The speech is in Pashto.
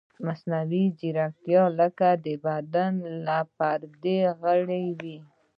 مصنوعي لغتونه لکه د بدن لپاره پردی غړی وي.